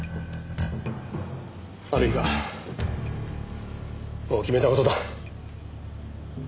悪いがもう決めた事だ。